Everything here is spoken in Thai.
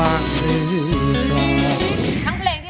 ร้องเข้าให้เร็ว